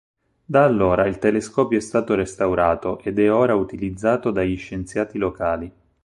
Da allora il telescopio è stato restaurato ed è ora utilizzato dagli scienziati locali.